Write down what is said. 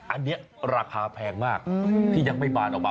อันนี้ราคาแพงมากที่ยังไม่บานออกมา